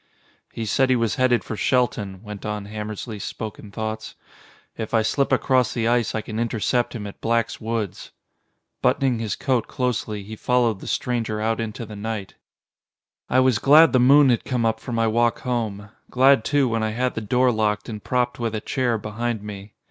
"He said he was headed for Shelton," went on Hammersly's spoken thoughts. "If I slip across the ice I can intercept him at Black's woods." Buttoning his coat closely, he followed the stranger out into the night. I was glad the moon had come up for my walk home, glad too when I had the door locked and propped with a chair behind me.